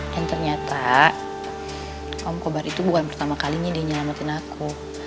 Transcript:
dan ternyata om kobar itu bukan pertama kalinya dia nyelamatin aku